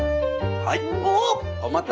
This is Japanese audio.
はい。